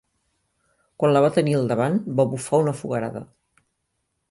Quan la va tenir al davant va bufar una foguerada.